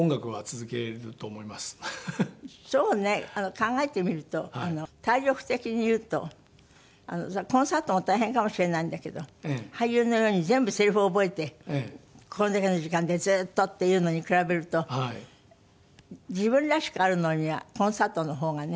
考えてみると体力的にいうとコンサートも大変かもしれないんだけど俳優のように全部せりふを覚えてこれだけの時間でずーっとっていうのに比べると自分らしくあるのにはコンサートの方がね。